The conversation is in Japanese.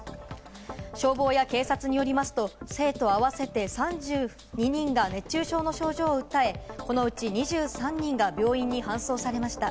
消防や警察によりますと、生徒合わせて３２人が熱中症の症状を訴え、このうち２３人が病院に搬送されました。